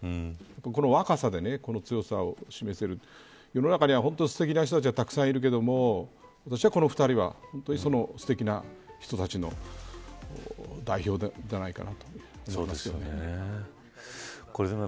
この若さでこの強さを示せる世の中には本当にすてきな人たちがたくさんいるけれども私はこの２人は、すてきな人たちの代表じゃないかなと思います。